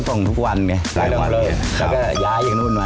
ถ้าคุณรู้ว่า